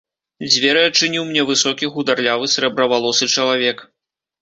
Дзверы адчыніў мне высокі хударлявы срэбравалосы чалавек.